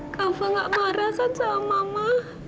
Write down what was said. kenapa gak marah kan sama mama